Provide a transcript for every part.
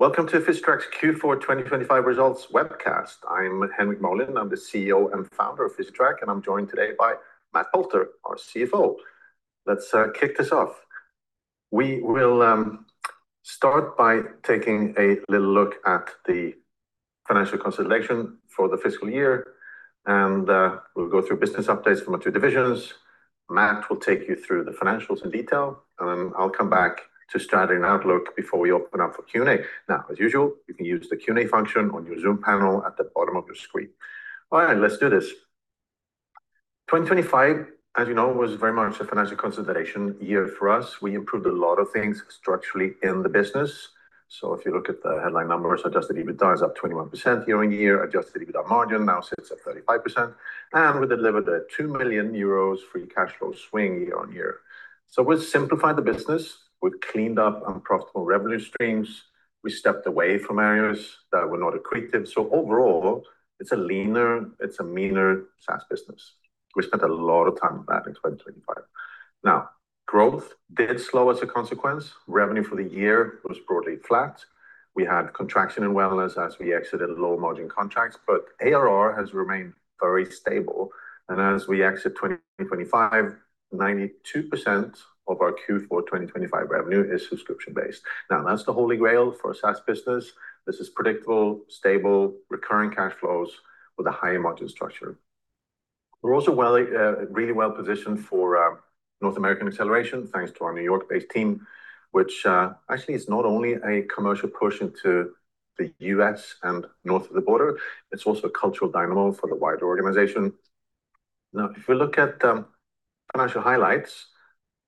Welcome to Physitrack's Q4 2025 results webcast. I'm Henrik Molin. I'm the CEO and founder of Physitrack, and I'm joined today by Matt Poulter, our CFO. Let's kick this off. We will start by taking a little look at the financial consolidation for the fiscal year, and we'll go through business updates from our two divisions. Matt will take you through the financials in detail, and then I'll come back to strategy and outlook before we open up for Q&A. Now, as usual, you can use the Q&A function on your Zoom panel at the bottom of your screen. All right, let's do this. 2025, as you know, was very much a financial consolidation year for us. We improved a lot of things structurally in the business. If you look at the headline numbers, adjusted EBITDA is up 21% year-on-year. Adjusted EBITDA margin now sits at 35%, and we delivered a 2 million euros free cash flow swing year-on-year. We've simplified the business. We've cleaned up unprofitable revenue streams. We stepped away from areas that were not accretive. Overall, it's a leaner, it's a meaner SaaS business. We spent a lot of time on that in 2025. Growth did slow as a consequence. Revenue for the year was broadly flat. We had contraction in wellness as we exited low-margin contracts, but ARR has remained very stable, and as we exit 2025, 92% of our Q4 2025 revenue is subscription-based. That's the holy grail for a SaaS business. This is predictable, stable, recurring cash flows with a higher margin structure. We're also really well positioned for North American acceleration, thanks to our New York-based team, which actually is not only a commercial push into the U.S. and north of the border, it's also a cultural dynamo for the wider organization. If we look at the financial highlights,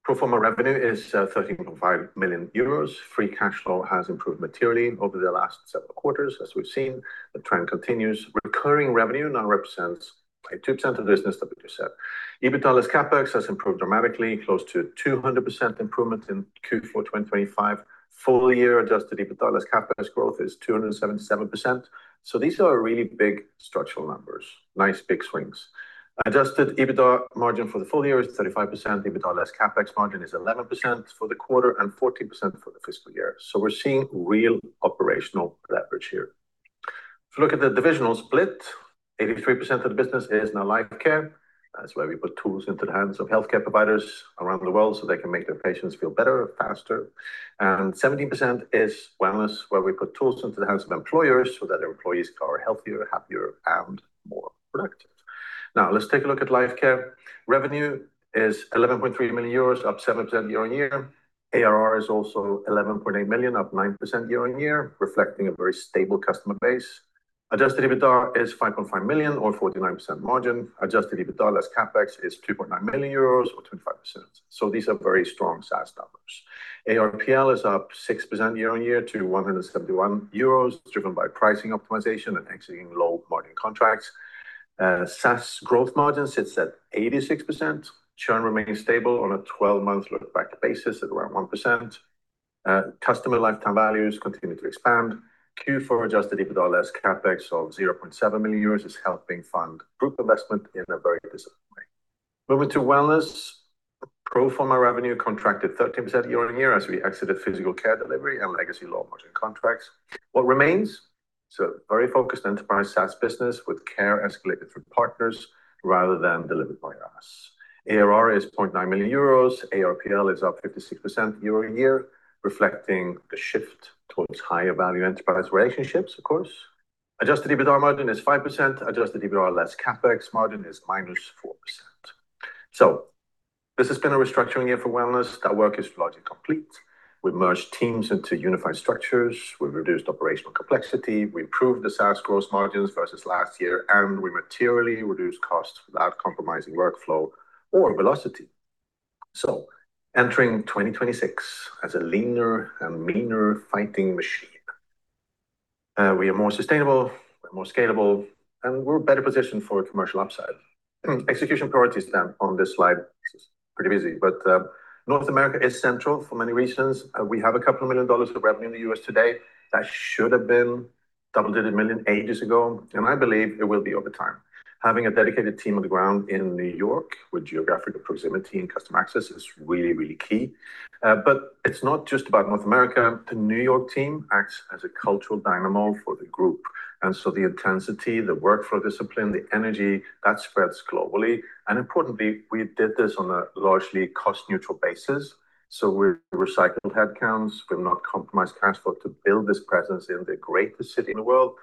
pro forma revenue is 13.5 million euros. Free cash flow has improved materially over the last several quarters, as we've seen. The trend continues. Recurring revenue now represents a two-center business, like we just said. EBITDA less CapEx has improved dramatically, close to 200% improvement in Q4 2025. Full-year adjusted EBITDA less CapEx growth is 277%. These are really big structural numbers. Nice, big swings. Adjusted EBITDA margin for the full year is 35%. EBITDA less CapEx margin is 11% for the quarter and 14% for the fiscal year. We're seeing real operational leverage here. If you look at the divisional split, 83% of the business is now Lifecare. That's where we put tools into the hands of healthcare providers around the world so they can make their patients feel better, faster. Seventeen percent is wellness, where we put tools into the hands of employers so that their employees are healthier, happier, and more productive. Let's take a look at Lifecare. Revenue is 11.3 million euros, up 7% year-on-year. ARR is also 11.8 million, up 9% year-on-year, reflecting a very stable customer base. Adjusted EBITDA is 5.5 million or 49% margin. Adjusted EBITDA less CapEx is 2.9 million euros or 25%. These are very strong SaaS numbers. ARPL is up 6% year-on-year to 171 euros, driven by pricing optimization and exiting low-margin contracts. SaaS growth margin sits at 86%. Churn remains stable on a 12-month look-back basis at around 1%. Customer lifetime values continue to expand. Q4 adjusted EBITDA less CapEx of 0.7 million euros is helping fund group investment in a very disciplined way. Moving to wellness, pro forma revenue contracted 13% year-on-year as we exited physical care delivery and legacy low-margin contracts. What remains is a very focused enterprise SaaS business with care escalated through partners rather than delivered by us. ARR is 0.9 million euros. ARPL is up 56% year-on-year, reflecting the shift towards higher-value enterprise relationships, of course. Adjusted EBITDA margin is 5%. Adjusted EBITDA less CapEx margin is minus 4%. This has been a restructuring year for wellness. That work is largely complete. We've merged teams into unified structures. We've reduced operational complexity. We improved the SaaS growth margins versus last year, and we materially reduced costs without compromising workflow or velocity. Entering 2026 as a leaner and meaner fighting machine, we are more sustainable, we're more scalable, and we're better positioned for a commercial upside. Execution priorities on this slide, pretty busy, but North America is central for many reasons. We have $2 million of revenue in the U.S. today. That should have been double-digit million ages ago, and I believe it will be over time. Having a dedicated team on the ground in New York with geographic proximity and customer access is really key. It's not just about North America. The New York team acts as a cultural dynamo for the group, the intensity, the workflow discipline, the energy, that spreads globally, we did this on a largely cost-neutral basis. We recycled headcounts. We've not compromised cash flow to build this presence in the greatest city in the world.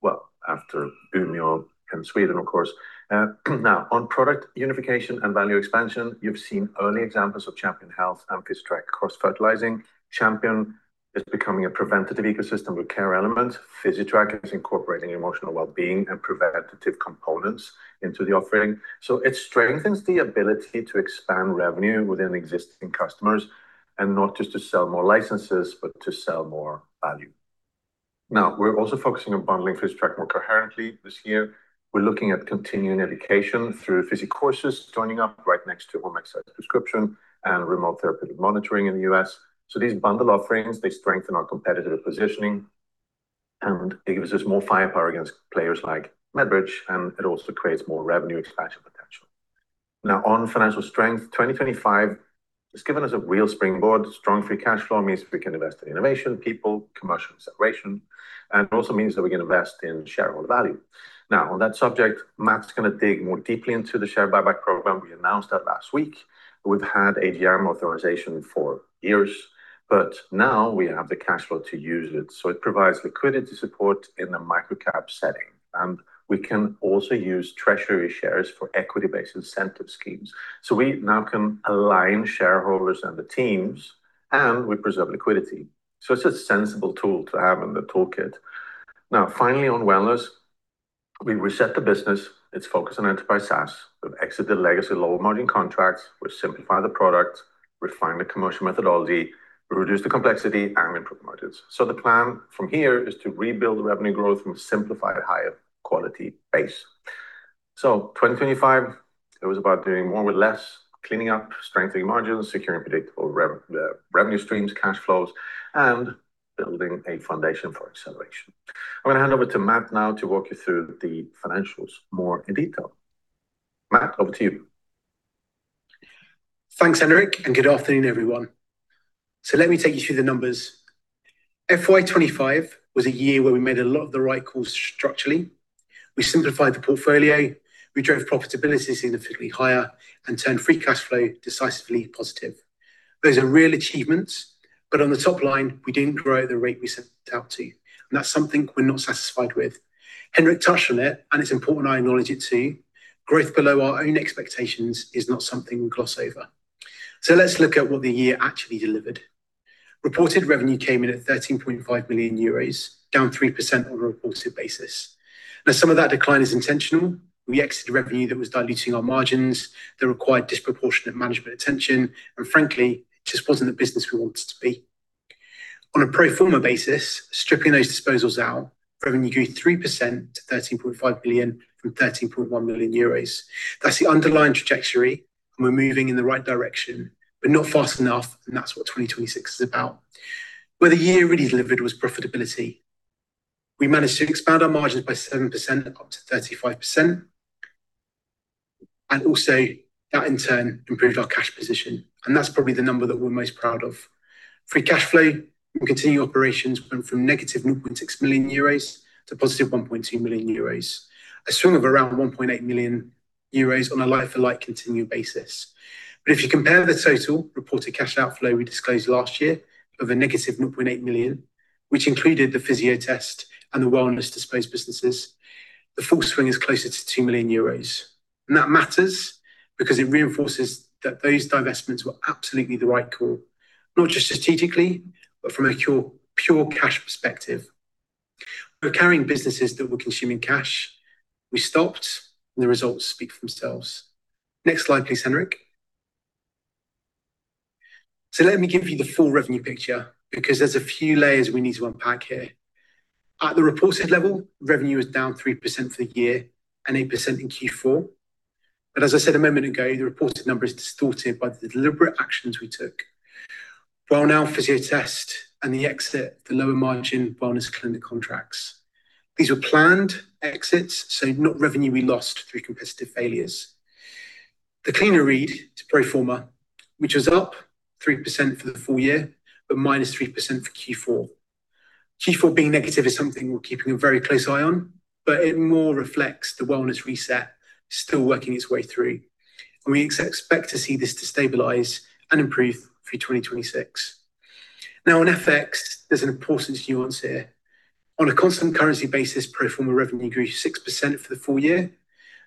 Well, after Umeå and Sweden, of course. On product unification and value expansion, you've seen early examples of Champion Health and Physitrack cross-fertilizing. Champion is becoming a preventative ecosystem with care elements. Physitrack is incorporating emotional well-being and preventative components into the offering. It strengthens the ability to expand revenue within existing customers and not just to sell more licenses, but to sell more value. We're also focusing on bundling Physitrack more coherently this year. We're looking at continuing education through PhysiCourses, joining up right next to home exercise prescription and Remote Therapeutic Monitoring in the U.S. These bundle offerings, they strengthen our competitive positioning, it gives us more firepower against players like MedBridge, it also creates more revenue expansion potential. On financial strength, 2025 has given us a real springboard. Strong free cash flow means we can invest in innovation, people, commercial acceleration, it also means that we can invest in shareholder value. On that subject, Matt's gonna dig more deeply into the share buyback program. We announced that last week. We've had AGM authorization for years, now we have the cash flow to use it. It provides liquidity support in a micro cap setting, we can also use treasury shares for equity-based incentive schemes. We now can align shareholders and the teams, and we preserve liquidity. It's a sensible tool to have in the toolkit. Finally, on wellness, we reset the business. It's focused on enterprise SaaS. We've exited the legacy low-margin contracts. We've simplified the product, refined the commercial methodology, reduced the complexity, and improved margins. The plan from here is to rebuild the revenue growth from a simplified, higher quality base. 2025, it was about doing more with less, cleaning up, strengthening margins, securing predictable revenue streams, cash flows, and building a foundation for acceleration. I'm gonna hand over to Matt now to walk you through the financials more in detail. Matt, over to you. Thanks, Henrik, good afternoon, everyone. Let me take you through the numbers. FY 25 was a year where we made a lot of the right calls structurally. We simplified the portfolio, we drove profitability significantly higher, and turned free cash flow decisively positive. Those are real achievements, on the top line, we didn't grow at the rate we set out to you, and that's something we're not satisfied with. Henrik touched on it, and it's important I acknowledge it too. Growth below our own expectations is not something we gloss over. Let's look at what the year actually delivered. Reported revenue came in at 13.5 million euros, down 3% on a reported basis. Some of that decline is intentional. We exited revenue that was diluting our margins, that required disproportionate management attention. Frankly, it just wasn't the business we wanted to be. On a pro forma basis, stripping those disposals out, revenue grew 3% to 13.5 billion from 13.1 million euros. That's the underlying trajectory. We're moving in the right direction, not fast enough. That's what 2026 is about. Where the year really delivered was profitability. We managed to expand our margins by 7%, up to 35%. Also that, in turn, improved our cash position. That's probably the number that we're most proud of. Free cash flow and continuing operations went from negative 1.6 million euros to positive 1.2 million euros, a swing of around 1.8 million euros on a like-for-like continuing basis. If you compare the total reported cash outflow we disclosed last year of a negative 1.8 million, which included the Fysiotest and the wellness disposed businesses, the full swing is closer to 2 million euros. That matters because it reinforces that those divestments were absolutely the right call, not just strategically, but from a pure cash perspective. We were carrying businesses that were consuming cash. We stopped. The results speak for themselves. Next slide, please, Henrik. Let me give you the full revenue picture, because there's a few layers we need to unpack here. At the reported level, revenue is down 3% for the year and 8% in Q4. As I said a moment ago, the reported number is distorted by the deliberate actions we took. Wellnow, Fysiotest and the exit, the lower-margin wellness clinic contracts. These were planned exits, not revenue we lost through competitive failures. The cleaner read to pro forma, which was up 3% for the full year, minus 3% for Q4. Q4 being negative is something we're keeping a very close eye on, it more reflects the wellness reset still working its way through, we expect to see this to stabilize and improve through 2026. On FX, there's an important nuance here. On a constant currency basis, pro forma revenue grew 6% for the full year.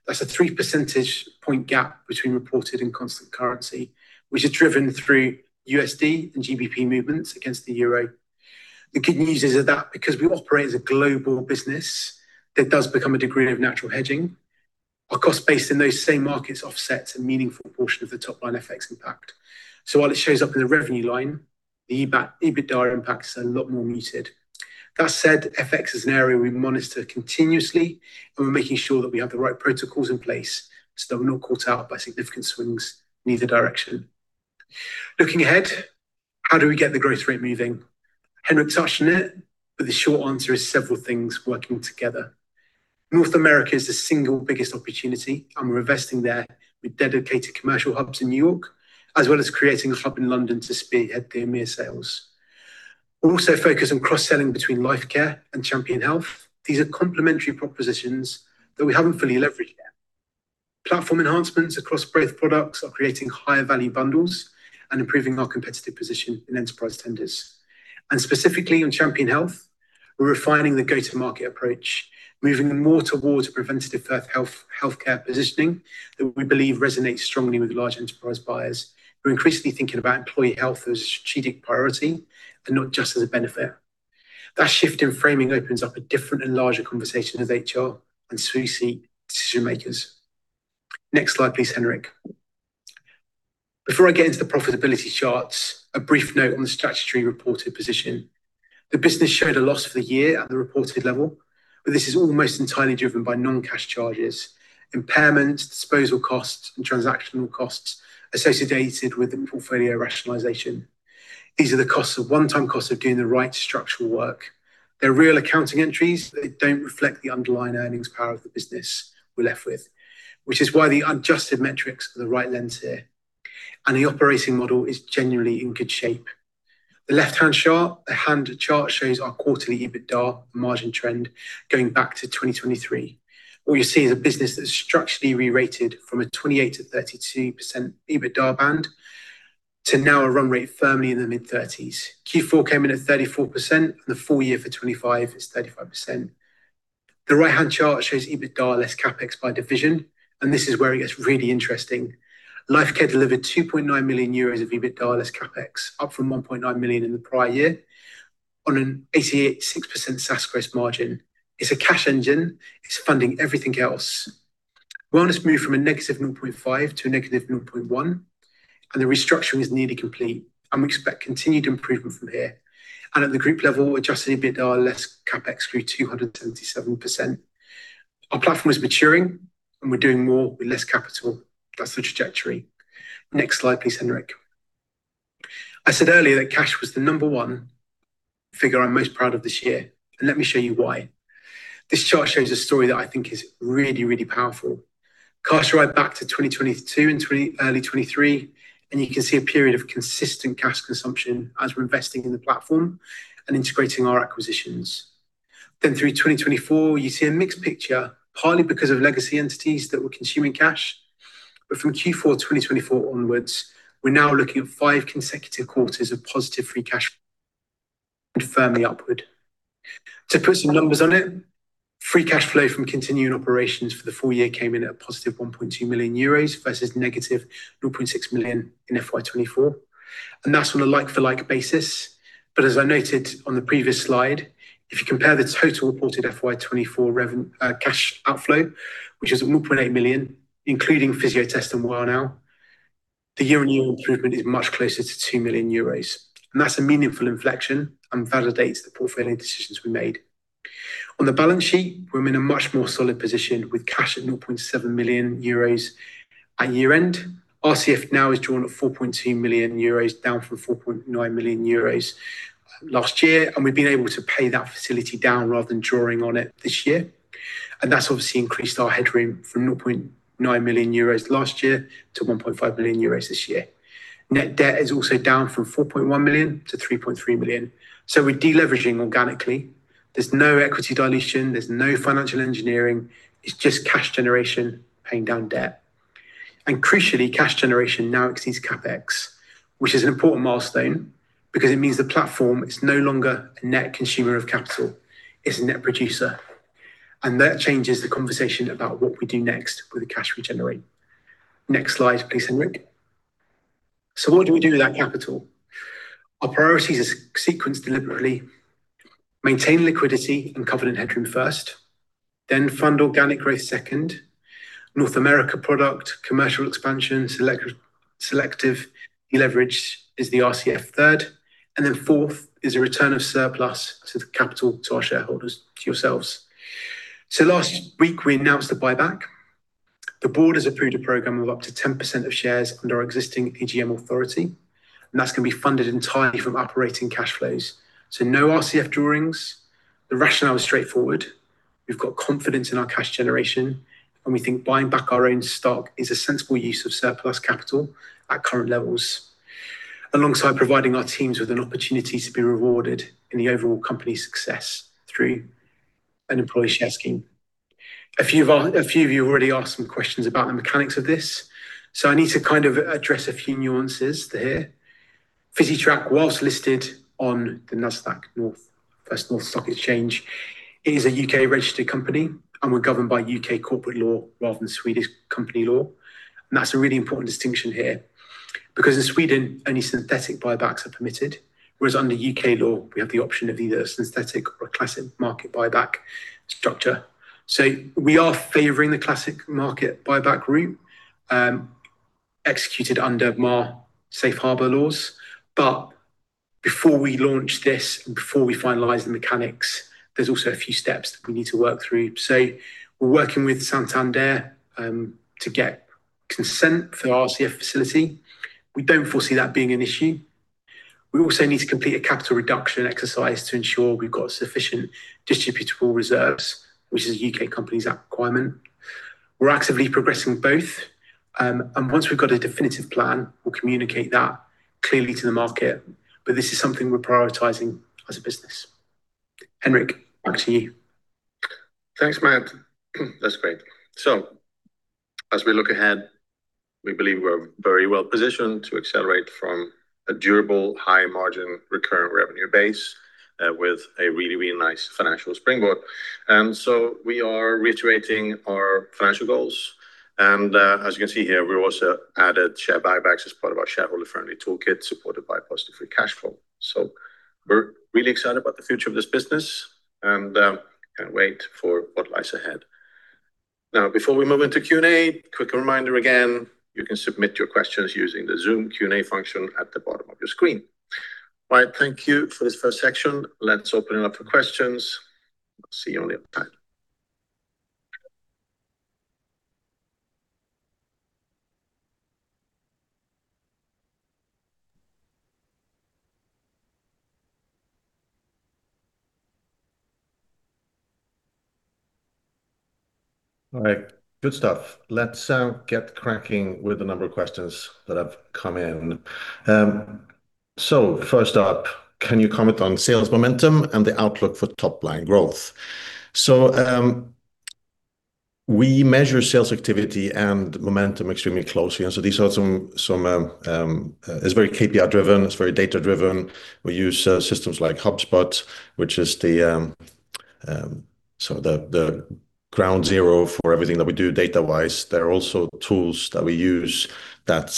That's a 3 percentage point gap between reported and constant currency, which is driven through USD and GBP movements against the euro. The good news is that because we operate as a global business, that does become a degree of natural hedging. Our cost base in those same markets offsets a meaningful portion of the top-line FX impact. While it shows up in the revenue line, the EBITDA impact is a lot more muted. That said, FX is an area we monitor continuously, and we're making sure that we have the right protocols in place so that we're not caught out by significant swings in either direction. Looking ahead, how do we get the growth rate moving? Henrik touched on it, the short answer is several things working together. North America is the single biggest opportunity, we're investing there with dedicated commercial hubs in New York, as well as creating a hub in London to spearhead the EMEA sales. We're also focused on cross-selling between LifeCare and Champion Health. These are complementary propositions that we haven't fully leveraged yet. Platform enhancements across both products are creating higher value bundles and improving our competitive position in enterprise tenders. Specifically on Champion Health, we're refining the go-to-market approach, moving more towards a preventative health, healthcare positioning that we believe resonates strongly with large enterprise buyers, who are increasingly thinking about employee health as a strategic priority and not just as a benefit. That shift in framing opens up a different and larger conversation with HR and C-suite decision-makers. Next slide, please, Henrik. Before I get into the profitability charts, a brief note on the statutory reported position. The business showed a loss for the year at the reported level. This is almost entirely driven by non-cash charges, impairment, disposal costs, and transactional costs associated with the portfolio rationalization. These are one-time costs of doing the right structural work. They're real accounting entries. They don't reflect the underlying earnings power of the business we're left with, which is why the adjusted metrics are the right lens here. The operating model is genuinely in good shape. The left-hand chart shows our quarterly EBITDA margin trend going back to 2023. What you see is a business that's structurally rerated from a 28%-32% EBITDA band to now a run rate firmly in the mid-thirties. Q4 came in at 34%, and the full year for 2025 is 35%. The right-hand chart shows EBITDA less CapEx by division, and this is where it gets really interesting. Lifecare delivered 2.9 million euros of EBITDA less CapEx, up from 1.9 million in the prior year on an 88.6% SaaS gross margin. It's a cash engine, it's funding everything else. Wellness moved from a negative 0.5 to a negative 0.1. The restructuring is nearly complete, we expect continued improvement from here. At the group level, adjusted EBITDA less CapEx grew 277%. Our platform is maturing, we're doing more with less capital. That's the trajectory. Next slide, please, Henrik. I said earlier that cash was the number 1 figure I'm most proud of this year. Let me show you why. This chart shows a story that I think is really powerful. Cash right back to 2022 and early 2023, you can see a period of consistent cash consumption as we're investing in the platform and integrating our acquisitions. Through 2024, you see a mixed picture, partly because of legacy entities that were consuming cash. From Q4 2024 onwards, we're now looking at 5 consecutive quarters of positive free cash flow and firmly upward. To put some numbers on it, free cash flow from continuing operations for the full year came in at a positive 1.2 million euros versus negative 0.6 million in FY 2024, and that's on a like-for-like basis. As I noted on the previous slide, if you compare the total reported FY 2024 cash outflow, which is 1.8 million, including Fysiotest and Wellnow, the year-on-year improvement is much closer to 2 million euros. That's a meaningful inflection and validates the portfolio decisions we made. On the balance sheet, we're in a much more solid position with cash at 0.7 million euros at year-end. RCF now is drawn at 4.2 million euros, down from 4.9 million euros last year. We've been able to pay that facility down rather than drawing on it this year. That's obviously increased our headroom from 0.9 million euros last year to 1.5 million euros this year. Net debt is also down from 4.1 million to 3.3 million. We're deleveraging organically. There's no equity dilution, there's no financial engineering, it's just cash generation paying down debt. Crucially, cash generation now exceeds CapEx, which is an important milestone because it means the platform is no longer a net consumer of capital, it's a net producer. That changes the conversation about what we do next with the cash we generate. Next slide, please, Henrik. What do we do with that capital? Our priorities are sequenced deliberately. Maintain liquidity and covenant headroom first, then fund organic growth second. North America product, commercial expansion, selective leverage is the RCF third, and then fourth is a return of surplus to the capital to our shareholders, to yourselves. Last week, we announced the buyback. The board has approved a program of up to 10% of shares under our existing EGM authority, and that's going to be funded entirely from operating cash flows. No RCF drawings. The rationale is straightforward: We've got confidence in our cash generation, and we think buying back our own stock is a sensible use of surplus capital at current levels, alongside providing our teams with an opportunity to be rewarded in the overall company success through an employee share scheme. A few of you have already asked some questions about the mechanics of this, so I need to kind of address a few nuances there. Physitrack, whilst listed on the Nasdaq First North Stock Exchange, it is a UK-registered company, and we're governed by UK corporate law rather than Swedish company law. That's a really important distinction here, because in Sweden, only synthetic buybacks are permitted, whereas under UK law, we have the option of either a synthetic or a classic market buyback structure. We are favoring the classic market buyback route, executed under more safe harbor laws. Before we launch this and before we finalize the mechanics, there's also a few steps that we need to work through. We're working with Santander to get consent for our RCF facility. We don't foresee that being an issue. We also need to complete a capital reduction exercise to ensure we've got sufficient distributable reserves, which is a UK Companies Act requirement. We're actively progressing both, and once we've got a definitive plan, we'll communicate that clearly to the market. This is something we're prioritizing as a business. Henrik, back to you. Thanks, Matt. That's great. As we look ahead, we believe we're very well positioned to accelerate from a durable, high-margin, recurrent revenue base, with a really nice financial springboard. We are reiterating our financial goals. As you can see here, we've also added share buybacks as part of our shareholder-friendly toolkit, supported by positive free cash flow. We're really excited about the future of this business and can't wait for what lies ahead. Now, before we move into Q&A, quick reminder again, you can submit your questions using the Zoom Q&A function at the bottom of your screen. All right, thank you for this first section. Let's open it up for questions. I'll see you on the other side. All right, good stuff. Let's get cracking with a number of questions that have come in. First up, can you comment on sales momentum and the outlook for top-line growth? We measure sales activity and momentum extremely closely, and so these are some... It's very KPI driven. It's very data-driven. We use systems like HubSpot, which is the, so the ground zero for everything that we do data-wise. There are also tools that we use that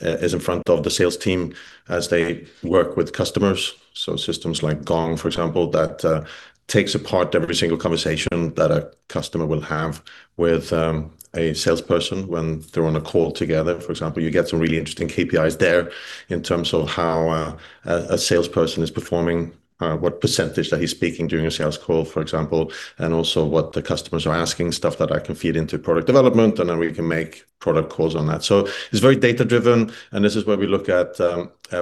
is in front of the sales team as they work with customers. Systems like Gong, for example, that takes apart every single conversation that a customer will have with a salesperson when they're on a call together. For example, you get some really interesting KPIs there in terms of how a salesperson is performing, what % that he's speaking during a sales call, for example, and also what the customers are asking, stuff that I can feed into product development, and then we can make product calls on that. It's very data-driven, and this is where we look at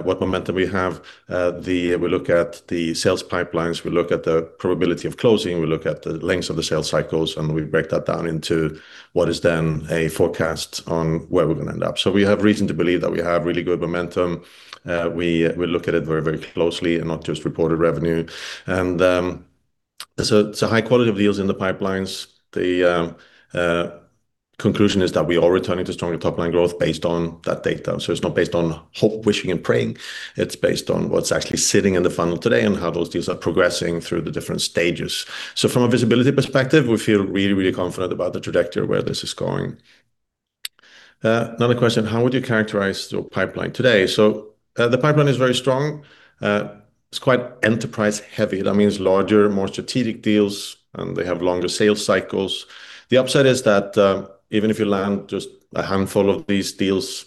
what momentum we have. We look at the sales pipelines, we look at the probability of closing, we look at the lengths of the sales cycles, and we break that down into what is then a forecast on where we're gonna end up. We have reason to believe that we have really good momentum. We look at it very, very closely and not just reported revenue. It's a high quality of deals in the pipelines. The conclusion is that we are returning to stronger top-line growth based on that data. It's not based on hope, wishing, and praying. It's based on what's actually sitting in the funnel today and how those deals are progressing through the different stages. From a visibility perspective, we feel really, really confident about the trajectory of where this is going. Another question: How would you characterize the pipeline today? The pipeline is very strong. It's quite enterprise-heavy. That means larger, more strategic deals, and they have longer sales cycles. The upside is that, even if you land just a handful of these deals,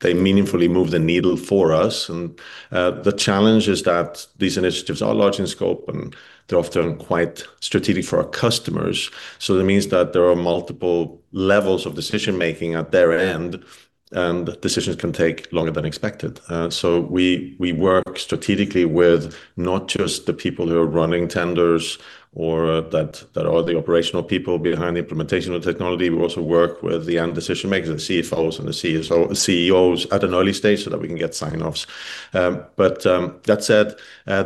they meaningfully move the needle for us. The challenge is that these initiatives are large in scope, and they're often quite strategic for our customers. That means that there are multiple levels of decision-making at their end, and decisions can take longer than expected. We work strategically with not just the people who are running tenders or that are the operational people behind the implementation of technology. We also work with the end decision-makers, the CFOs and the CSO, CEOs, at an early stage so that we can get sign-offs. That said,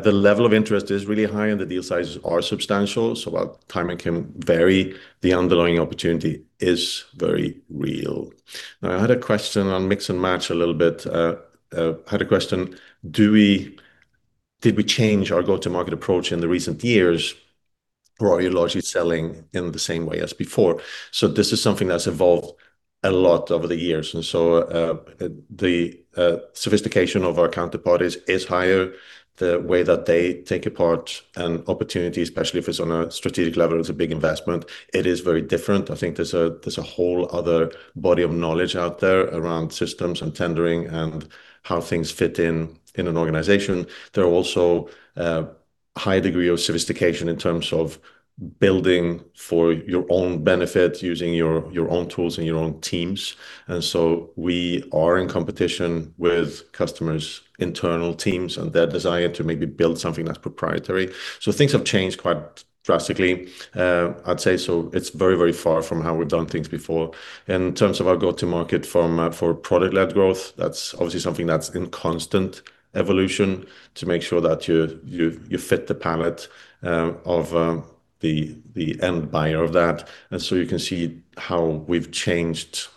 the level of interest is really high, and the deal sizes are substantial. While timing can vary, the underlying opportunity is very real. Now, I had a question on mix and match a little bit. had a question: Did we change our go-to-market approach in the recent years, or are you largely selling in the same way as before? This is something that's evolved a lot over the years, and so, the sophistication of our counterparties is higher. The way that they take apart an opportunity, especially if it's on a strategic level, it's a big investment, it is very different. I think there's a whole other body of knowledge out there around systems and tendering and how things fit in in an organization. There are also a high degree of sophistication in terms of building for your own benefit, using your own tools and your own teams. We are in competition with customers' internal teams and their desire to maybe build something that's proprietary. Things have changed quite drastically. I'd say it's very, very far from how we've done things before. In terms of our go-to-market for product-led growth, that's obviously something that's in constant evolution to make sure that you fit the palette of the end buyer of that. You can see how we've changed.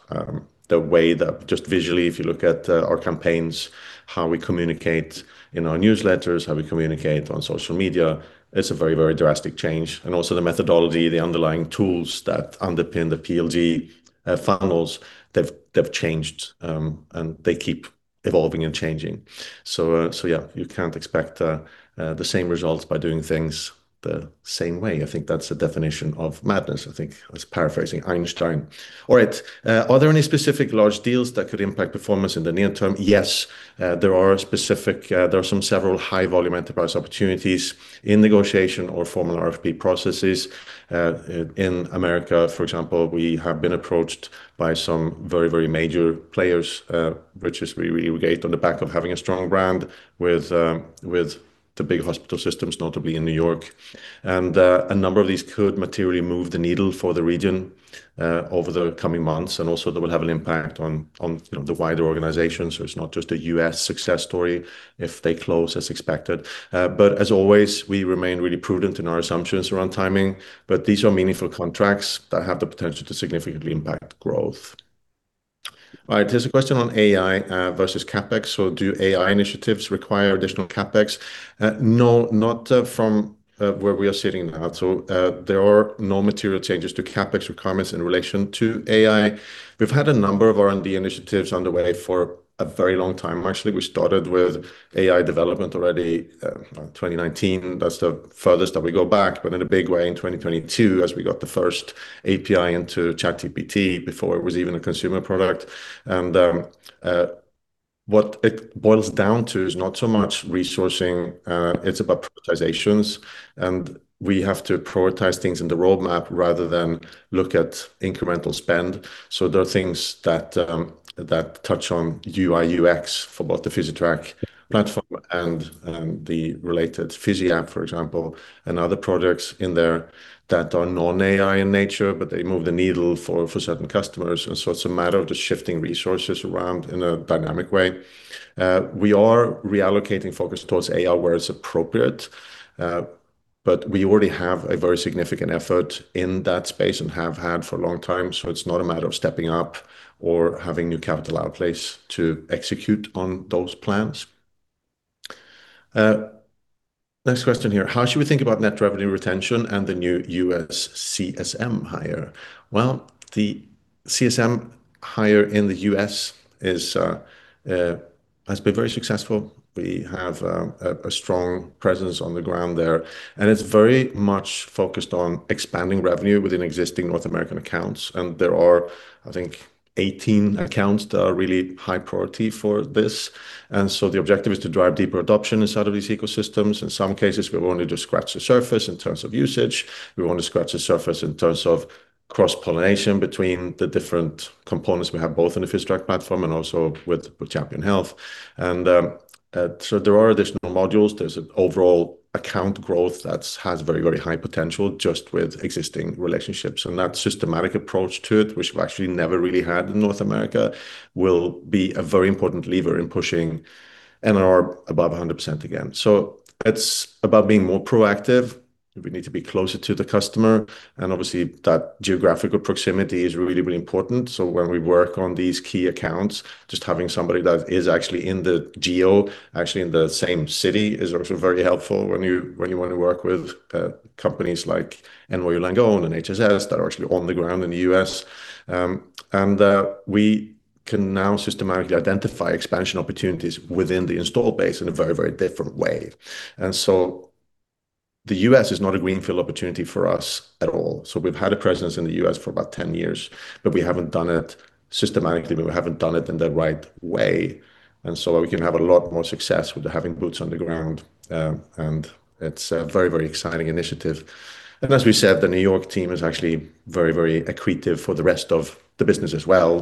Just visually, if you look at our campaigns, how we communicate in our newsletters, how we communicate on social media, it's a very, very drastic change, and also the methodology, the underlying tools that underpin the PLG funnels, they've changed and they keep evolving and changing. Yeah, you can't expect the same results by doing things the same way. I think that's the definition of madness. I think I was paraphrasing Einstein. All right. Are there any specific large deals that could impact performance in the near term? Yes, there are specific. There are several high-volume enterprise opportunities in negotiation or formal RFP processes. In America, for example, we have been approached by some very, very major players, which is we engage on the back of having a strong brand with the big hospital systems, notably in New York. A number of these could materially move the needle for the region over the coming months, and also they will have an impact on, you know, the wider organization. It's not just a US success story if they close as expected. As always, we remain really prudent in our assumptions around timing, but these are meaningful contracts that have the potential to significantly impact growth. All right, there's a question on AI versus CapEx. Do AI initiatives require additional CapEx? No, not from where we are sitting now. There are no material changes to CapEx requirements in relation to AI. We've had a number of R&D initiatives underway for a very long time. Actually, we started with AI development already in 2019. That's the furthest that we go back, but in a big way, in 2022, as we got the first API into ChatGPT before it was even a consumer product. What it boils down to is not so much resourcing, it's about prioritizations, and we have to prioritize things in the roadmap rather than look at incremental spend. There are things that touch on UI, UX for both the Physitrack platform and the related PhysiApp, for example, and other products in there that are non-AI in nature, but they move the needle for certain customers. It's a matter of just shifting resources around in a dynamic way. We are reallocating focus towards AI where it's appropriate, but we already have a very significant effort in that space and have had for a long time. It's not a matter of stepping up or having new capital outplace to execute on those plans. Next question here: How should we think about net revenue retention and the new U.S. CSM hire? The CSM hire in the U.S. has been very successful. We have a strong presence on the ground there, and it's very much focused on expanding revenue within existing North American accounts. There are, I think, 18 accounts that are really high priority for this. The objective is to drive deeper adoption inside of these ecosystems. In some cases, we've only just scratched the surface in terms of usage. We want to scratch the surface in terms of cross-pollination between the different components we have, both in the Physitrack platform and also with Champion Health. There are additional modules. There's an overall account growth that has very, very high potential just with existing relationships. That systematic approach to it, which we've actually never really had in North America, will be a very important lever in pushing NRR above 100% again. It's about being more proactive. We need to be closer to the customer. Obviously, that geographical proximity is really, really important. When we work on these key accounts, just having somebody that is actually in the geo, actually in the same city, is also very helpful when you want to work with companies like NYU Langone and HSS that are actually on the ground in the U.S. We can now systematically identify expansion opportunities within the install base in a very, very different way. The U.S. is not a greenfield opportunity for us at all. We've had a presence in the U.S. for about 10 years, but we haven't done it systematically, and we haven't done it in the right way. We can have a lot more success with having boots on the ground, and it's a very, very exciting initiative. As we said, the New York team is actually very, very accretive for the rest of the business as well.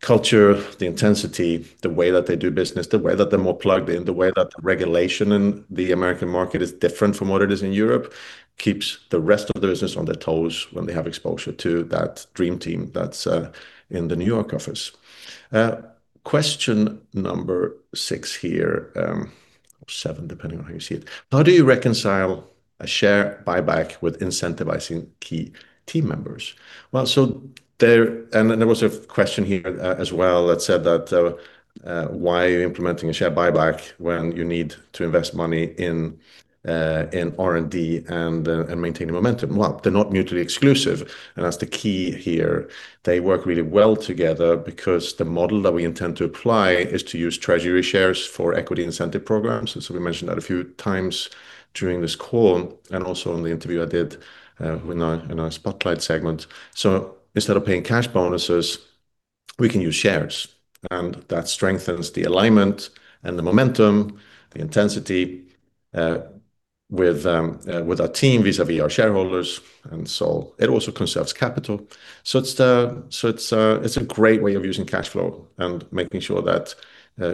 That culture, the intensity, the way that they do business, the way that they're more plugged in, the way that the regulation in the American market is different from what it is in Europe, keeps the rest of the business on their toes when they have exposure to that dream team that's in the New York office. Question number 6 here, or 7, depending on how you see it: How do you reconcile a share buyback with incentivizing key team members? Well, there... There was a question here, as well, that said, "Why are you implementing a share buyback when you need to invest money in R&D and maintaining momentum?" Well, they're not mutually exclusive. That's the key here. They work really well together because the model that we intend to apply is to use treasury shares for equity incentive programs. We mentioned that a few times during this call and also in the interview I did, in our, in our spotlight segment. Instead of paying cash bonuses, we can use shares. That strengthens the alignment and the momentum, the intensity, with our team vis-à-vis our shareholders. It also conserves capital. It's a great way of using cash flow and making sure that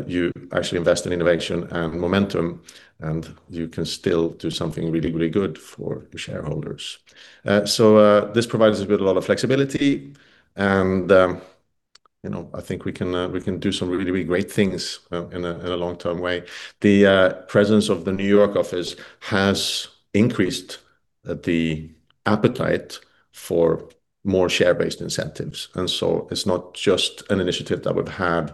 you actually invest in innovation and momentum, and you can still do something really, really good for the shareholders. This provides us with a lot of flexibility, and, you know, I think we can do some really, really great things in a long-term way. The presence of the New York office has increased the appetite for more share-based incentives. It's not just an initiative that we've had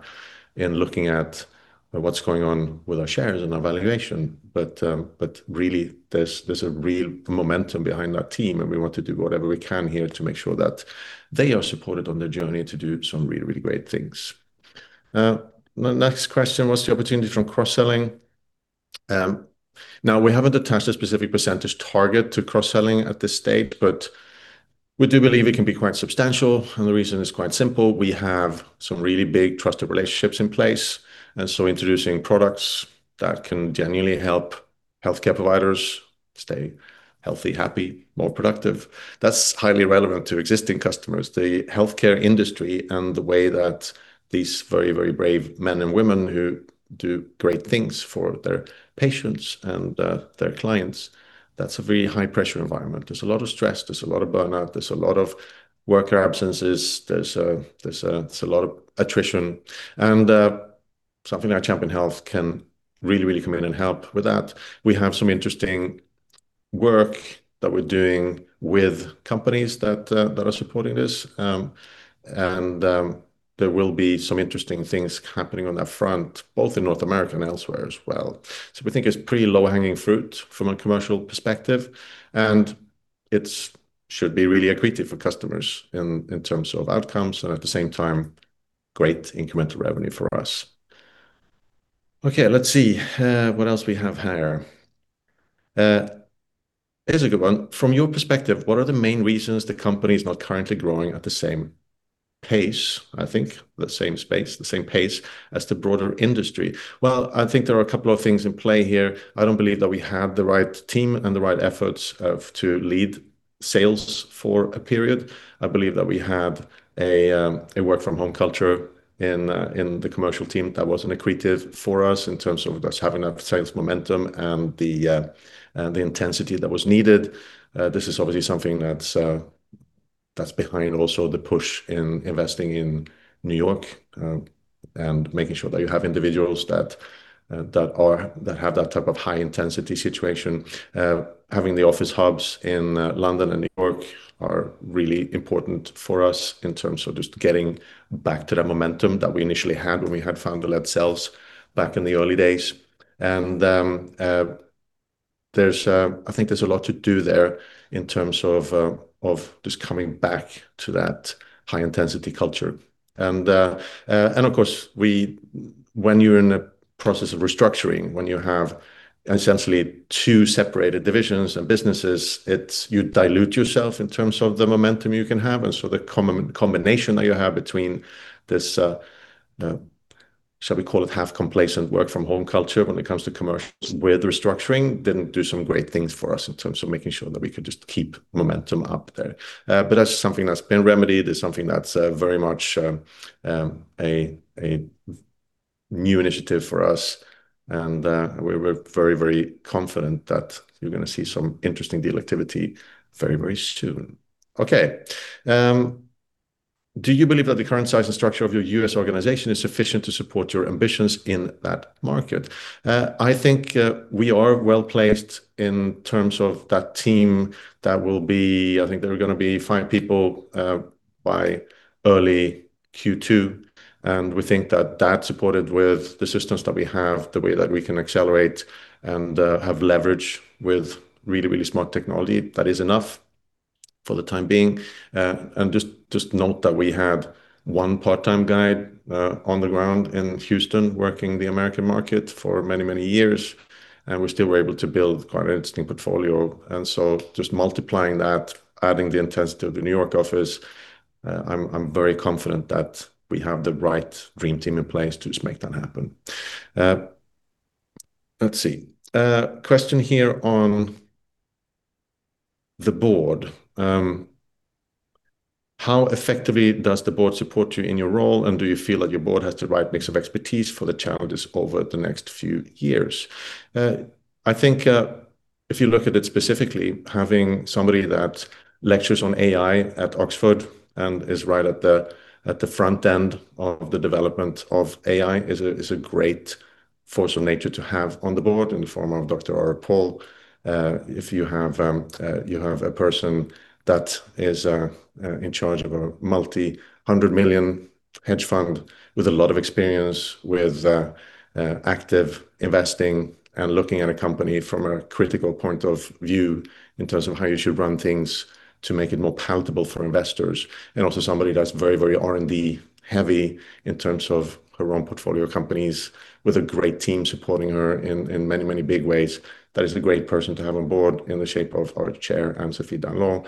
in looking at what's going on with our shares and our valuation, but really, there's a real momentum behind that team, and we want to do whatever we can here to make sure that they are supported on their journey to do some really, really great things. The next question: What's the opportunity from cross-selling? Now, we haven't attached a specific percentage target to cross-selling at this stage, but we do believe it can be quite substantial, and the reason is quite simple. We have some really big trusted relationships in place, and so introducing products that can genuinely help healthcare providers stay healthy, happy, more productive, that's highly relevant to existing customers. The healthcare industry and the way that these very, very brave men and women who do great things for their patients and their clients, that's a very high-pressure environment. There's a lot of stress, there's a lot of burnout, there's a lot of worker absences, there's a lot of attrition, and something like Champion Health can really, really come in and help with that. We have some interesting work that we're doing with companies that are supporting this. There will be some interesting things happening on that front, both in North America and elsewhere as well. We think it's pretty low-hanging fruit from a commercial perspective, and it should be really accretive for customers in terms of outcomes, and at the same time, great incremental revenue for us.... Okay, let's see what else we have here. Here's a good one. From your perspective, what are the main reasons the company is not currently growing at the same pace? I think the same pace as the broader industry. I think there are a couple of things in play here. I don't believe that we had the right team and the right efforts to lead sales for a period. I believe that we had a work from home culture in the commercial team that wasn't accretive for us in terms of us having enough sales momentum and the intensity that was needed. This is obviously something that's that's behind also the push in investing in New York and making sure that you have individuals that have that type of high-intensity situation. Having the office hubs in London and New York are really important for us in terms of just getting back to that momentum that we initially had when we had founder-led sales back in the early days. I think there's a lot to do there in terms of just coming back to that high-intensity culture. Of course, when you're in a process of restructuring, when you have essentially two separated divisions and businesses, you dilute yourself in terms of the momentum you can have. The combination that you have between this, shall we call it, half-complacent work from home culture when it comes to commercials with restructuring, didn't do some great things for us in terms of making sure that we could just keep momentum up there. That's something that's been remedied. It's something that's very much a new initiative for us, and we're very, very confident that you're gonna see some interesting deal activity very, very soon. Okay, do you believe that the current size and structure of your U.S. organization is sufficient to support your ambitions in that market? I think we are well-placed in terms of that team that will be... I think there are gonna be 5 people by early Q2, we think that that, supported with the systems that we have, the way that we can accelerate and have leverage with really, really smart technology, that is enough for the time being. Just note that we had 1 part-time guy on the ground in Houston working the American market for many, many years, and we were able to build quite an interesting portfolio. Just multiplying that, adding the intensity of the New York office, I'm very confident that we have the right dream team in place to just make that happen. Let's see. Question here on the board. How effectively does the board support you in your role, and do you feel that your board has the right mix of expertise for the challenges over the next few years? I think, if you look at it specifically, having somebody that lectures on AI at Oxford and is right at the front end of the development of AI is a great force of nature to have on the board in the form of Dr. Arar Paul. If you have, you have a person that is in charge of a multi-hundred million hedge fund, with a lot of experience with active investing and looking at a company from a critical point of view in terms of how you should run things to make it more palatable for investors. And also somebody that's very, very R&D heavy in terms of her own portfolio companies, with a great team supporting her in many, many big ways. That is a great person to have on board in the shape of our Chair, Anne-Sophie d'Andlau.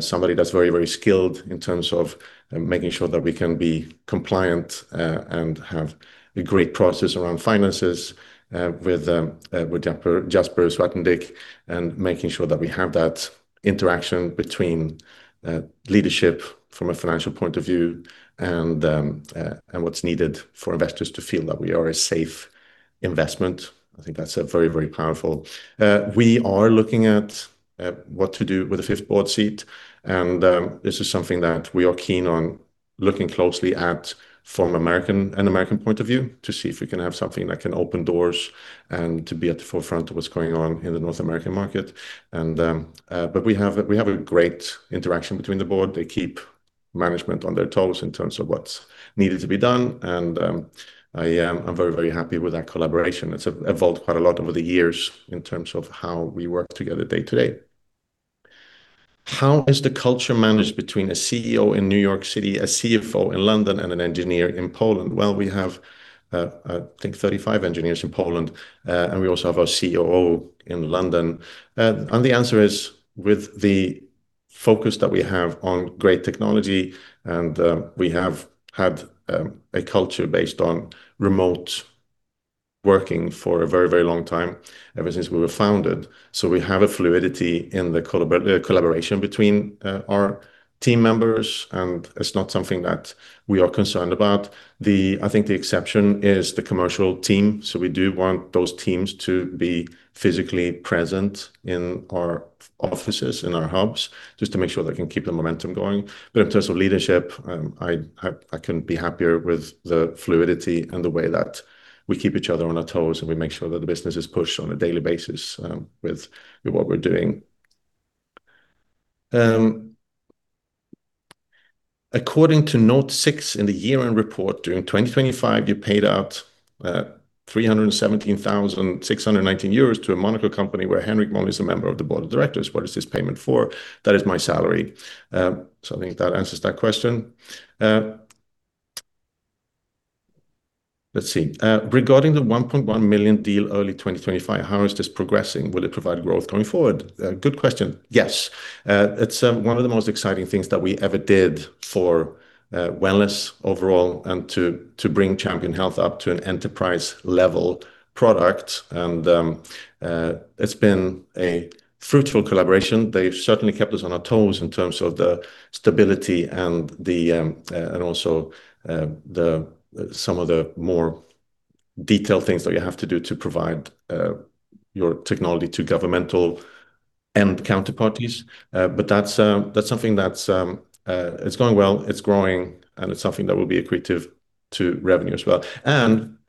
Somebody that's very, very skilled in terms of making sure that we can be compliant and have a great process around finances with Jasper Zwartendijk, and making sure that we have that interaction between leadership from a financial point of view and what's needed for investors to feel that we are a safe investment. I think that's very, very powerful. We are looking at what to do with the fifth board seat, and this is something that we are keen on looking closely at from an American point of view, to see if we can have something that can open doors and to be at the forefront of what's going on in the North American market. We have a great interaction between the board. They keep management on their toes in terms of what's needed to be done. I'm very, very happy with that collaboration. It's evolved quite a lot over the years in terms of how we work together day to day. How is the culture managed between a CEO in New York City, a CFO in London, and an engineer in Poland? We have, I think 35 engineers in Poland. We also have our COO in London. The answer is, with the focus that we have on great technology, we have had a culture based on remote working for a very, very long time, ever since we were founded. We have a fluidity in the collaboration between our team members, and it's not something that we are concerned about. I think the exception is the commercial team, we do want those teams to be physically present in our offices, in our hubs, just to make sure they can keep the momentum going. In terms of leadership, I couldn't be happier with the fluidity and the way that we keep each other on our toes, and we make sure that the business is pushed on a daily basis, with what we're doing. According to note six in the year-end report, during 2025, you paid out 317,619 euros to a Monaco company where Henrik Molin is a member of the board of directors. What is this payment for? That is my salary. I think that answers that question. Let's see. Regarding the 1.1 million deal early 2025, how is this progressing? Will it provide growth going forward? Good question. Yes. It's one of the most exciting things that we ever did for wellness overall, and to bring Champion Health up to an enterprise-level product. It's been a fruitful collaboration. They've certainly kept us on our toes in terms of the stability and the, and also, the, some of the more detailed things that you have to do to provide your technology to governmental end counterparties. That's something that's going well, it's growing, and it's something that will be accretive to revenue as well.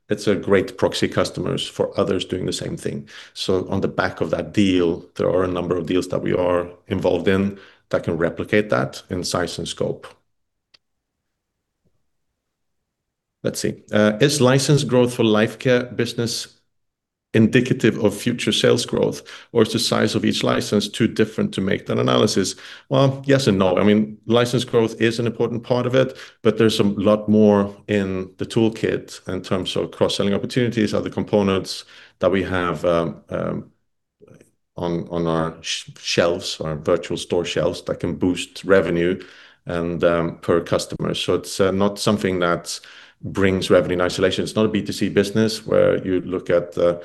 It's a great proxy customers for others doing the same thing. On the back of that deal, there are a number of deals that we are involved in that can replicate that in size and scope. Let's see. Is license growth for LifeCare business indicative of future sales growth, or is the size of each license too different to make that analysis? Well, yes and no. I mean, license growth is an important part of it, but there's a lot more in the toolkit in terms of cross-selling opportunities, other components that we have on our shelves, our virtual store shelves, that can boost revenue and per customer. It's not something that brings revenue in isolation. It's not a B2C business, where you look at the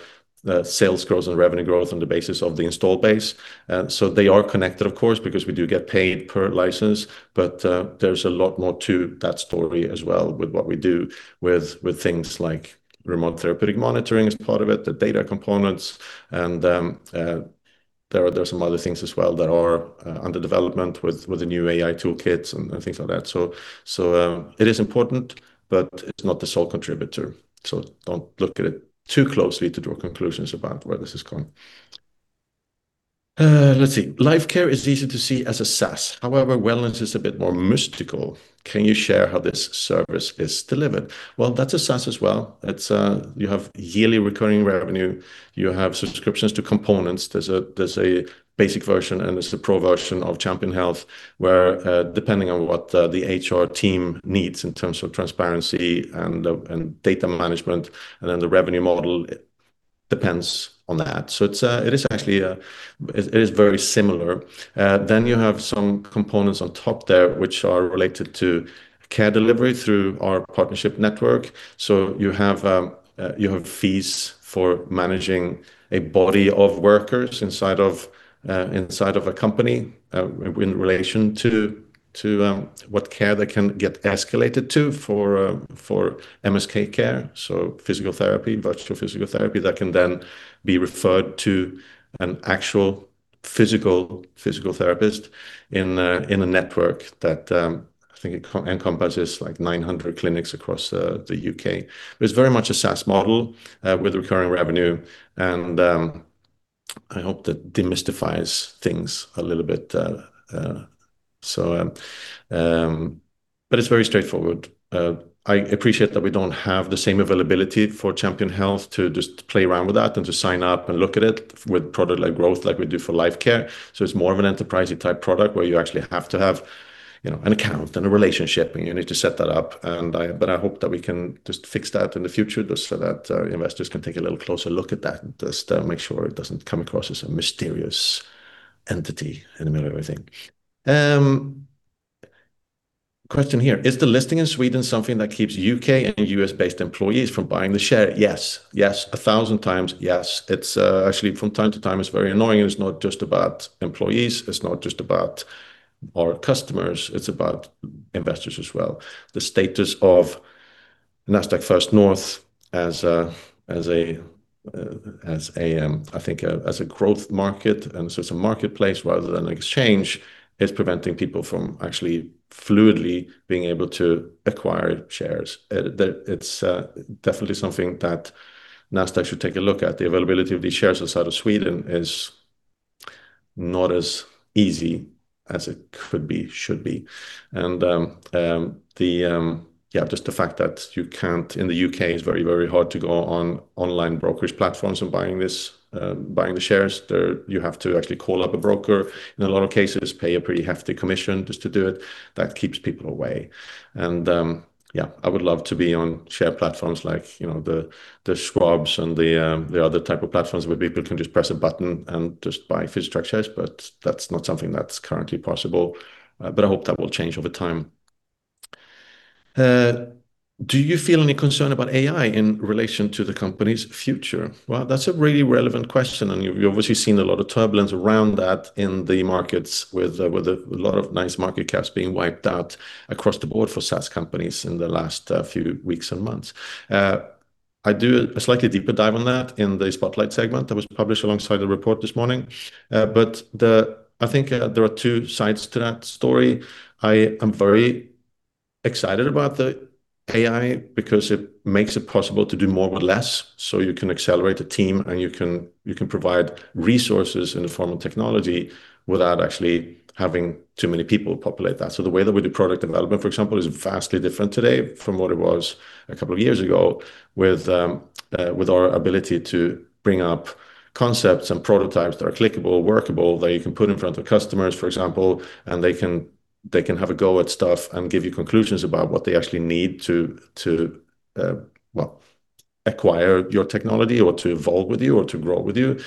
sales growth and revenue growth on the basis of the install base. They are connected, of course, because we do get paid per license, but there's a lot more to that story as well with what we do with things like Remote Therapeutic Monitoring as part of it, the data components, and there are some other things as well that are under development with the new AI toolkits and things like that. It is important, but it's not the sole contributor, so don't look at it too closely to draw conclusions about where this is going. Let's see. Lifecare is easy to see as a SaaS, however, wellness is a bit more mystical. Can you share how this service is delivered? That's a SaaS as well. It's you have yearly recurring revenue. You have subscriptions to components. There's a basic version, and there's a pro version of Champion Health, where depending on what the HR team needs in terms of transparency and data management, the revenue model depends on that. It's actually very similar. You have some components on top there, which are related to care delivery through our partnership network. You have fees for managing a body of workers inside of a company in relation to what care they can get escalated to for MSK care. Physical therapy, virtual physical therapy, that can then be referred to an actual physical therapist in a network that I think it encompasses, like, 900 clinics across the UK. It's very much a SaaS model, with recurring revenue, and I hope that demystifies things a little bit. It's very straightforward. I appreciate that we don't have the same availability for Champion Health to just play around with that and to sign up and look at it with product like growth, like we do for Lifecare. It's more of an enterprising type product, where you actually have to have, you know, an account and a relationship, and you need to set that up. I hope that we can just fix that in the future, just so that investors can take a little closer look at that, just to make sure it doesn't come across as a mysterious entity in the middle of everything. Question here: Is the listing in Sweden something that keeps U.K. and U.S.-based employees from buying the share? Yes. Yes, 1,000 times, yes. It's actually from time to time, it's very annoying. It's not just about employees, it's not just about our customers, it's about investors as well. The status of Nasdaq First North as a, as a, as a, I think, as a growth market, and so it's a marketplace rather than an exchange, is preventing people from actually fluidly being able to acquire shares. It's definitely something that Nasdaq should take a look at. The availability of these shares outside of Sweden is not as easy as it could be, should be. Yeah, just the fact that you can't... in the U.K., it's very, very hard to go on online brokerage platforms and buying this, buying the shares. There, you have to actually call up a broker, in a lot of cases, pay a pretty hefty commission just to do it. That keeps people away. Yeah, I would love to be on share platforms like, you know, the Schwabs and the other type of platforms, where people can just press a button and just buy Physitrack shares, but that's not something that's currently possible, but I hope that will change over time. Do you feel any concern about AI in relation to the company's future? That's a really relevant question, and you've obviously seen a lot of turbulence around that in the markets with a lot of nice market caps being wiped out across the board for SaaS companies in the last few weeks and months. I do a slightly deeper dive on that in the spotlight segment that was published alongside the report this morning. I think there are two sides to that story. I am very excited about the AI because it makes it possible to do more with less. You can accelerate a team, and you can provide resources in the form of technology without actually having too many people populate that. The way that we do product development, for example, is vastly different today from what it was a couple of years ago, with our ability to bring up concepts and prototypes that are clickable, workable, that you can put in front of customers, for example, and they can have a go at stuff and give you conclusions about what they actually need to, well, acquire your technology, or to evolve with you, or to grow with you.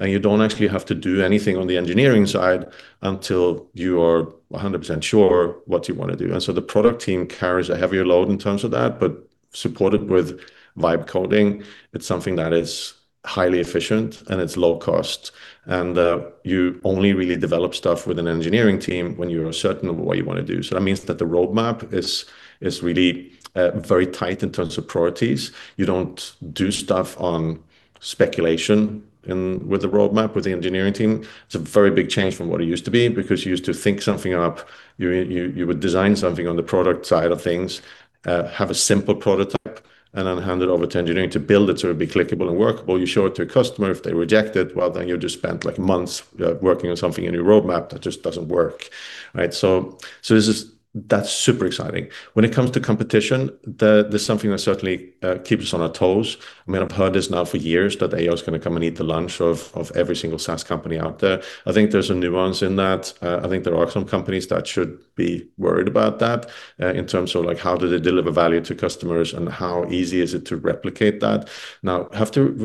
You don't actually have to do anything on the engineering side until you are 100% sure what you wanna do. The product team carries a heavier load in terms of that, but supported with vibe coding, it's something that is highly efficient, and it's low cost. You only really develop stuff with an engineering team when you are certain of what you wanna do. That means that the roadmap is really very tight in terms of priorities. You don't do stuff on speculation with the roadmap, with the engineering team. It's a very big change from what it used to be, because you used to think something up, you would design something on the product side of things, have a simple prototype, and then hand it over to engineering to build it, so it'd be clickable and workable. You show it to a customer. If they reject it, well, then you just spent, like, months working on something in your roadmap that just doesn't work, right? That's super exciting. When it comes to competition, there's something that certainly keeps us on our toes. I mean, I've heard this now for years, that AI is gonna come and eat the lunch of every single SaaS company out there. I think there's some nuance in that. I think there are some companies that should be worried about that, in terms of, like, how do they deliver value to customers, and how easy is it to replicate that? Now, we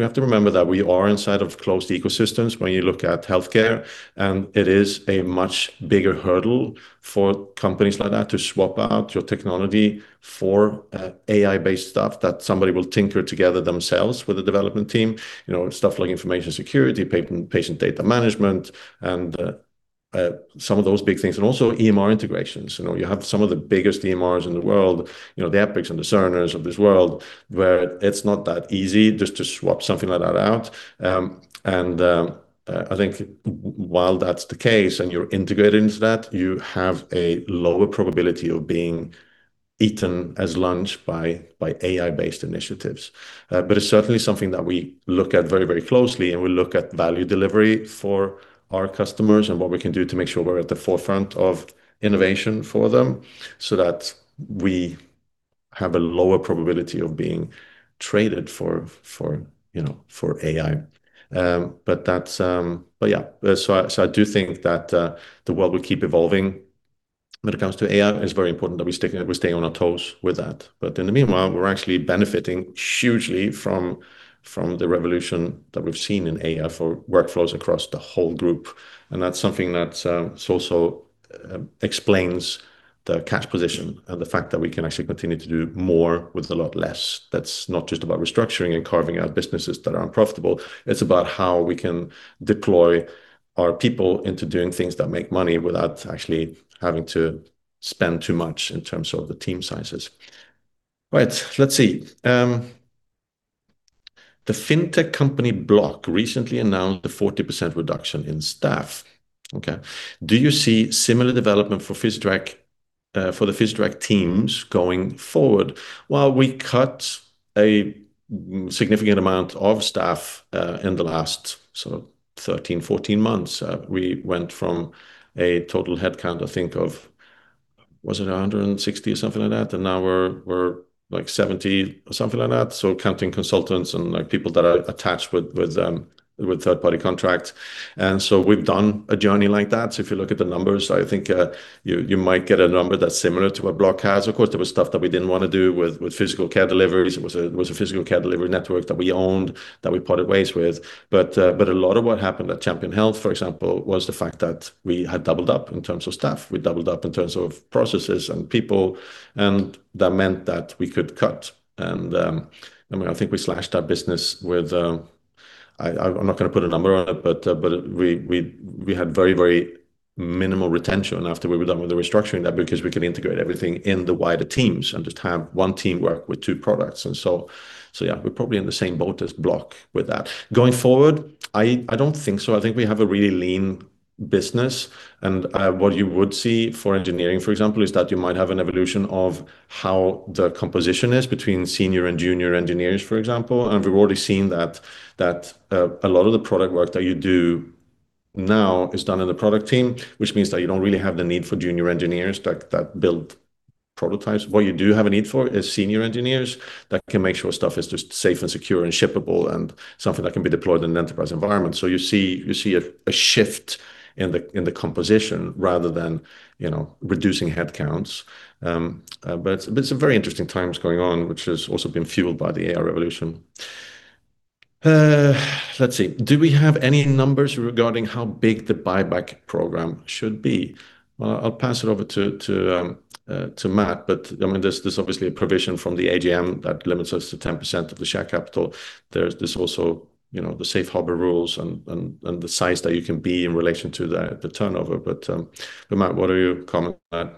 have to remember that we are inside of closed ecosystems when you look at healthcare, and it is a much bigger hurdle for companies like that to swap out your technology for, AI-based stuff that somebody will tinker together themselves with a development team. You know, stuff like information security, patient data management, and some of those big things, and also EMR integrations. You know, you have some of the biggest EMRs in the world, you know, the Epic and the Cerner of this world, where it's not that easy just to swap something like that out. I think while that's the case, and you're integrated into that, you have a lower probability of being eaten as lunch by AI-based initiatives. It's certainly something that we look at very, very closely, and we look at value delivery for our customers and what we can do to make sure we're at the forefront of innovation for them, so that we have a lower probability of being traded for, you know, for AI. That's... I do think that the world will keep evolving when it comes to AI. It's very important that we stay on our toes with that. In the meanwhile, we're actually benefiting hugely from the revolution that we've seen in AI for workflows across the whole group. That's something that also explains the cash position and the fact that we can actually continue to do more with a lot less. That's not just about restructuring and carving out businesses that are unprofitable. It's about how we can deploy our people into doing things that make money without actually having to spend too much in terms of the team sizes. Right, let's see. The fintech company Block recently announced a 40% reduction in staff. Okay, do you see similar development for Physitrack for the Physitrack teams going forward? Well, we cut a significant amount of staff in the last sort of 13, 14 months. We went from a total headcount, I think, of, was it 160 or something like that? Now we're, like, 70 or something like that, so counting consultants and, like, people that are attached with third-party contracts. We've done a journey like that. If you look at the numbers, I think, you might get a number that's similar to what Block has. Of course, there was stuff that we didn't wanna do with physical care deliveries. It was a, it was a physical care delivery network that we owned, that we parted ways with. A lot of what happened at Champion Health, for example, was the fact that we had doubled up in terms of staff. We doubled up in terms of processes and people, that meant that we could cut. I mean, I think we slashed our business with... I'm not gonna put a number on it, we had very, very minimal retention after we were done with the restructuring there, because we could integrate everything in the wider teams and just have one team work with two products. Yeah, we're probably in the same boat as Block with that. Going forward, I don't think so. I think we have a really lean business, what you would see for engineering, for example, is that you might have an evolution of how the composition is between senior and junior engineers, for example. We've already seen that, a lot of the product work that you do now is done in the product team, which means that you don't really have the need for junior engineers that build prototypes. What you do have a need for is senior engineers that can make sure stuff is just safe and secure and shippable, and something that can be deployed in an enterprise environment. You see a shift in the composition rather than, you know, reducing headcounts. Some very interesting times going on, which has also been fueled by the AI revolution. Let's see. Do we have any numbers regarding how big the buyback program should be? I'll pass it over to Matt. I mean, there's obviously a provision from the AGM that limits us to 10% of the share capital. There's also, you know, the safe harbor rules and the size that you can be in relation to the turnover. Matt, what are your comments on that?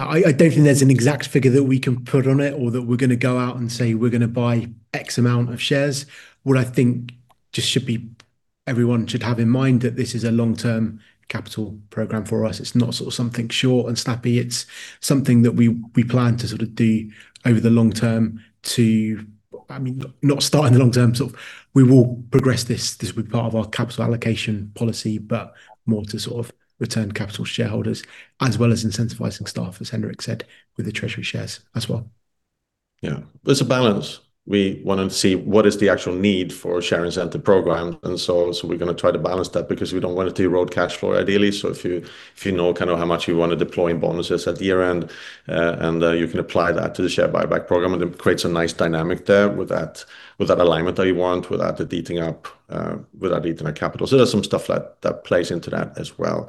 I don't think there's an exact figure that we can put on it or that we're gonna go out and say we're gonna buy X amount of shares. Everyone should have in mind that this is a long-term capital program for us. It's not sort of something short and snappy. It's something that we plan to sort of do over the long term to... I mean, not start in the long term, sort of, we will progress this. This will be part of our capital allocation policy, but more to sort of return capital to shareholders, as well as incentivizing staff, as Henrik said, with the treasury shares as well. Yeah, there's a balance. We want to see what is the actual need for a share incentive program, and so we're going to try to balance that because we don't want to erode cash flow ideally. If you know kind of how much you want to deploy in bonuses at the year-end, and you can apply that to the share buyback program, and it creates a nice dynamic there with that alignment that you want, without it eating up, without eating our capital. There's some stuff that plays into that as well.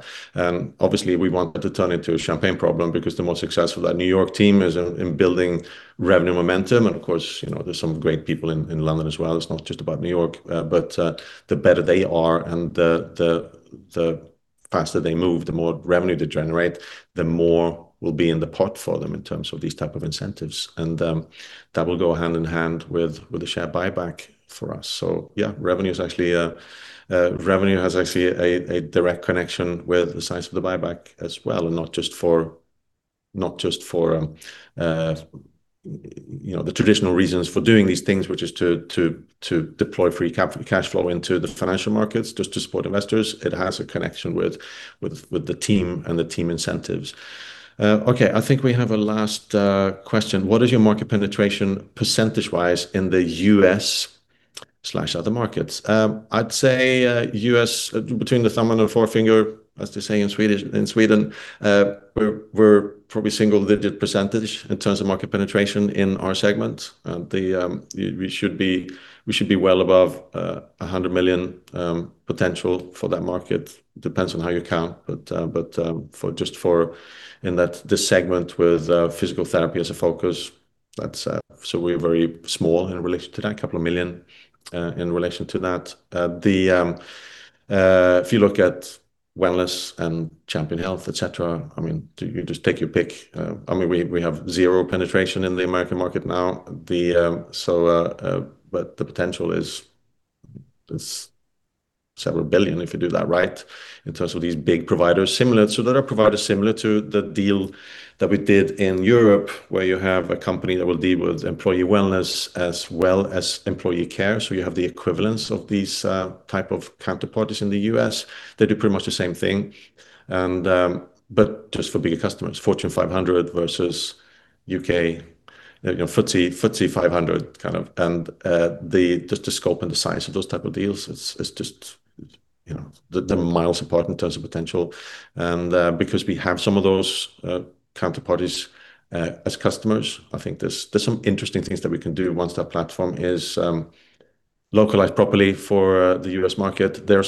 Obviously, we want it to turn into a champagne problem because the more successful that New York team is in building revenue momentum, and of course, you know, there's some great people in London as well. It's not just about New York, but the better they are and the faster they move, the more revenue they generate, the more will be in the pot for them in terms of these type of incentives. That will go hand in hand with the share buyback for us. Yeah, revenue has actually a direct connection with the size of the buyback as well, and not just for, you know, the traditional reasons for doing these things, which is to deploy free cash flow into the financial markets, just to support investors. It has a connection with the team and the team incentives. I think we have a last question: What is your market penetration percentage-wise in the U.S./other markets? I'd say, U.S., between the thumb and forefinger, as they say in Swedish, in Sweden, we're probably single-digit % in terms of market penetration in our segment. We should be well above $100 million potential for that market. Depends on how you count, but for just for this segment with physical therapy as a focus, that's so we're very small in relation to that, $2 million in relation to that. If you look at wellness and Champion Health, et cetera, I mean, you just take your pick. I mean, we have 0% penetration in the American market now. The potential is several billion if you do that right, in terms of these big providers, similar. There are providers similar to the deal that we did in Europe, where you have a company that will deal with employee wellness as well as employee care. You have the equivalence of these type of counterparties in the US. They do pretty much the same thing, and, but just for bigger customers, Fortune 500 versus UK, you know, FTSE 500, kind of. Just the scope and the size of those type of deals is just, you know, they're miles apart in terms of potential. Because we have some of those counterparties as customers, I think there's some interesting things that we can do once that platform is localized properly for the U.S. market. There are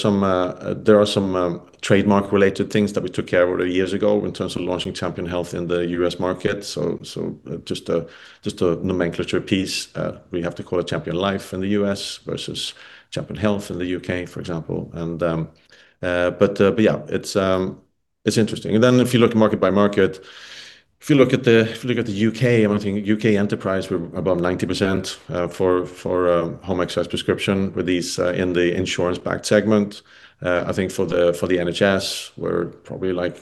some trademark-related things that we took care of already years ago in terms of launching Champion Health in the U.S. market. Just a nomenclature piece, we have to call it Champion Life in the U.S. versus Champion Health in the U.K., for example. Yeah, it's interesting. If you look at market by market, if you look at the U.K., I think U.K. enterprise, we're above 90% for home access prescription with these in the insurance-backed segment. I think for the, for the NHS, we're probably like,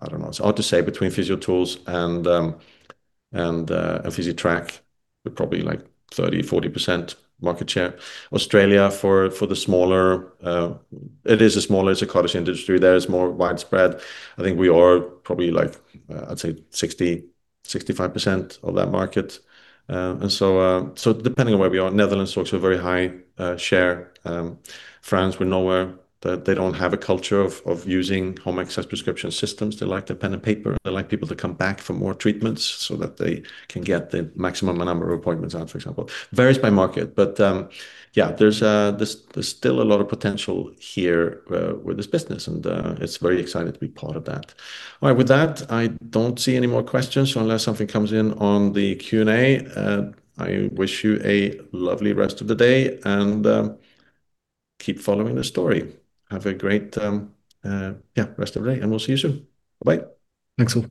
I don't know, it's hard to say between PhysioTools and Physitrack, we're probably like 30%-40% market share. Australia, for the smaller, it is a smaller, it's a cottage industry there. It's more widespread. I think we are probably like, I'd say 60%-65% of that market. Depending on where we are, Netherlands, also a very high share. France, we're nowhere. They don't have a culture of using home access prescription systems. They like their pen and paper. They like people to come back for more treatments so that they can get the maximum number of appointments out, for example. Varies by market, but yeah, there's still a lot of potential here with this business, and it's very exciting to be part of that. All right. With that, I don't see any more questions. Unless something comes in on the Q&A, I wish you a lovely rest of the day, and keep following the story. Have a great, yeah, rest of t day, and we'll see you soon. Bye-bye. Thanks, all.